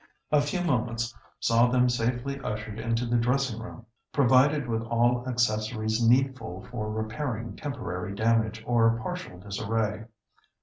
A few moments saw them safely ushered into the dressing room, provided with all accessories needful for repairing temporary damage or partial disarray.